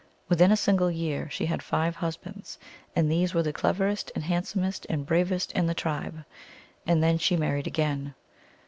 Within a single year she had five husbands, and these were the cleverest and hand somest and bravest in the tribe. And then she mar ried again.